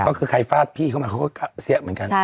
เพราะคือใครฟาดพี่เขามาเขาก็เซี๊ยบเหมือนกัน